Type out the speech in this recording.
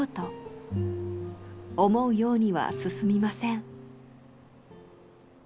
思うようには進みません。